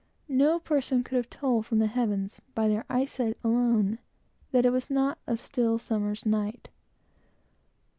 No person could have told, from the heavens, by their eyesight alone, that it was not a still summer's night.